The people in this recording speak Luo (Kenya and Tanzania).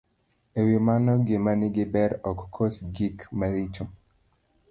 E wi mano, gima nigi ber ok kos gik maricho.